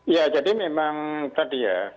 ya jadi memang tadi ya